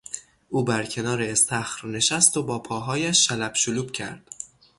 او بر کنار استخر نشست و با پاهایش شلپ شلوپ کرد.